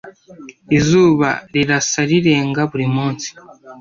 Izuba rirasa rirenga buri munsi